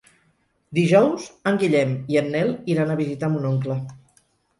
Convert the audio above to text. Dijous en Guillem i en Nel iran a visitar mon oncle.